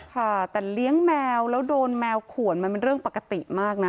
ค่ะแต่เลี้ยงแมวแล้วโดนแมวขวนมันเป็นเรื่องปกติมากนะ